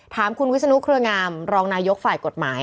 ถามคุณวิศนุเครืองามรองนายกฝ่ายกฎหมาย